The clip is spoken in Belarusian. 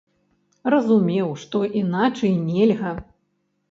Разумеў, што іначай нельга.